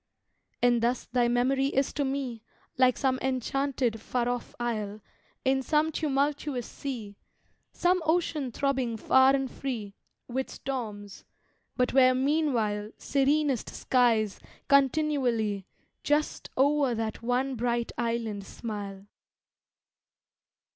And thus thy memory is to me Like some enchanted far off isle In some tumultuous sea Some ocean throbbing far and free With storms but where meanwhile Serenest skies continually Just o'er that one bright island smile.